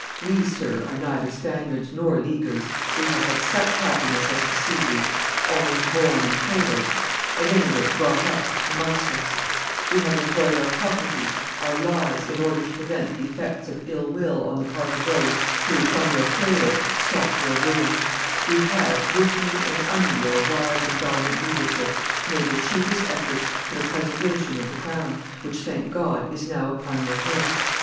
... We, sir, are neither Spaniards nor Leaguers; we have had such happiness as to see you, almost born and cradled, at any rate brought up, amongst us; we have employed our properties, our lives, in order to prevent the effects of ill will on the part of those who, from your cradle, sought your ruin; we have, with you and under your wise and valiant leadership, made the chiefest efforts for the preservation of the crown, which, thank God, is now upon your head.